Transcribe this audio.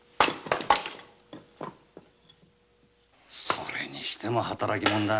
それにしても働き者だ。